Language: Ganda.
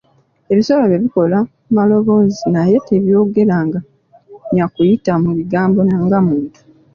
Ebisolo byo bikola maloboozi naye tebyogeraganya kuyita mu bigambo nga muntu